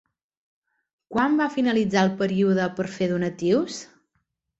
Quan va finalitzar el període per fer donatius?